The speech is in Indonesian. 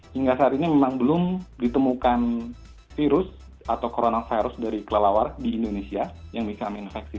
hingga saat ini memang belum ditemukan virus atau coronavirus dari kelelawar di indonesia yang bisa menginfeksi